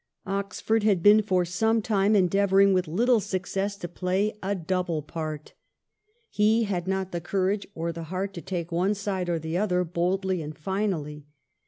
Oxford had been for some time endeavouring, with little success, to play a double part. He had not the courage or the heart to take one side or the other boldly and finally.